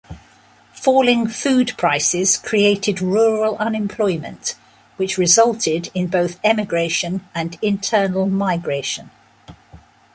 Falling food prices created rural unemployment, which resulted in both emigration and internal migration.